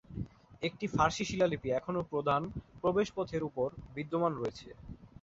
একটি ফারসি শিলালিপি এখনও প্রধান প্রবেশপথের উপর বিদ্যমান রয়েছে।